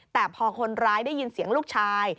แต่พอคนร้ายได้ยินเสียงลูกชาย